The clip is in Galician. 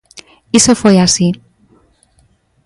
Iso foi así.